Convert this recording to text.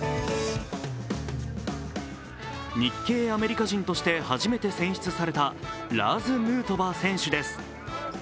日系アメリカ人として初めて選出されたラーズ・ヌートバー選手です。